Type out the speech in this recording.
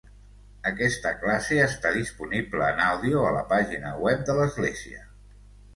Aquesta classe està disponible en àudio a la pàgina web de l'església.